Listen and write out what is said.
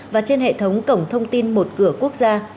và trên hệ thống cổng thông tin một cửa quốc gia